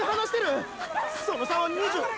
その差は２０！！